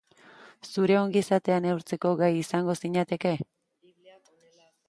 Zure ongizatea neurtzeko gai izango zinateke?